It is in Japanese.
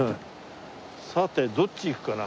さてどっち行くかな？